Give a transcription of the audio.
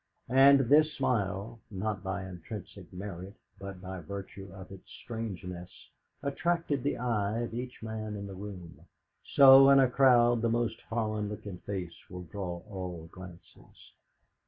And this smile, not by intrinsic merit, but by virtue of its strangeness, attracted the eye of each man in the room; so, in a crowd, the most foreign looking face will draw all glances.